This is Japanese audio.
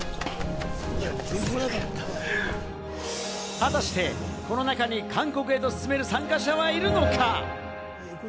果たして、この中に韓国へと進める参加者はいるのか？